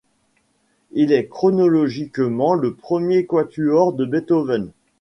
Il est chronologiquement le premier quatuor de Beethoven.